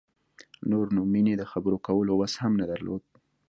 نور نو مينې د خبرو کولو وس هم نه درلود.